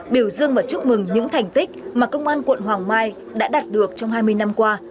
biểu dương và chúc mừng những thành tích mà công an quận hoàng mai đã đạt được trong hai mươi năm qua